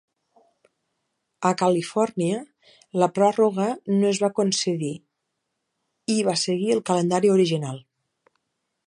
A Califòrnia, la pròrroga no es va concedir i va seguir el calendari original.